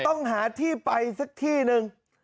ต้องหาที่ไปสักที่หนึ่ง